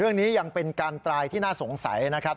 เรื่องนี้ยังเป็นการตายที่น่าสงสัยนะครับ